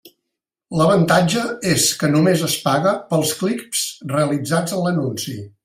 L'avantatge és que només es paga pels clics realitzats en l'anunci.